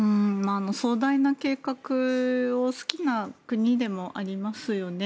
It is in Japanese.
壮大な計画を好きな国でもありますよね。